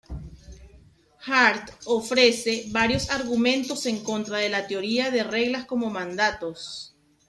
Hart ofrece varios argumentos en contra de la teoría de reglas como mandatos.